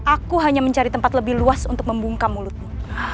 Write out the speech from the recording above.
aku hanya mencari tempat lebih luas untuk membungkam mulutmu